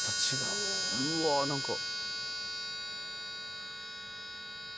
うわ何か。